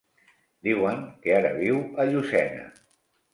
Diuen que ara viu a Llucena.